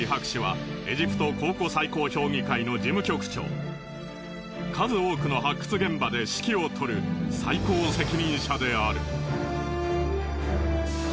ワジリ博士は数多くの発掘現場で指揮を執る最高責任者である。